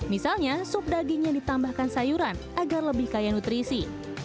misalnya sup dagingnya ditambahkan sayuran agar lebih kaya nutrisi